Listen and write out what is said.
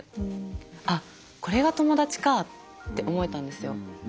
あっこれが友達かって思えたんですよ。